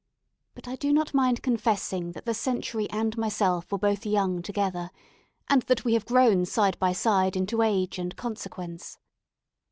But I do not mind confessing that the century and myself were both young together, and that we have grown side by side into age and consequence.